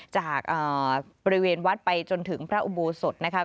จากบริเวณวัดไปจนถึงพระอุโบสถนะคะ